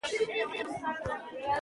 غازي ایوب خان ماتې ونه منله.